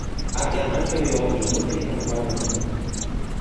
a, jan Ankewi o, mi mute li kama tawa lon tenpo ni.